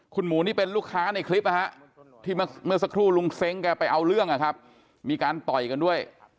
คุณหมูนี่เป็นลูกค้าในคลิปนะฮะที่เมื่อสักครู่ลุงเซ้งแกไปเอาเรื่องนะครับมีการต่อยกันด้วย